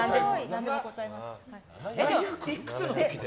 いくつの時で？